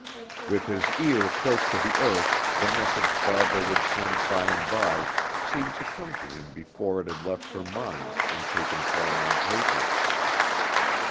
With his ear close to the earth the message Barbara would send by and by seemed to come to him before it had left her mind and taken form on paper.